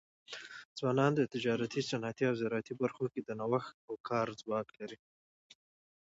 ځوانان د تجارتي، صنعتي او زراعتي برخو کي د نوښت او کار ځواک دی.